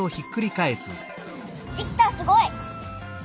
できたすごい！